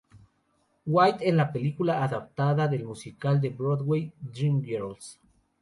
White en la película adaptada del musical de Broadway, "Dreamgirls".